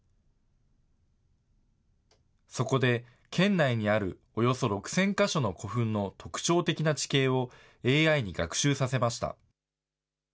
そこで、県内にあるおよそ６０００か所の古墳の特徴的な地形をＡＩに学習させました。